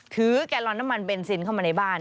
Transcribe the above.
แกลลอนน้ำมันเบนซินเข้ามาในบ้าน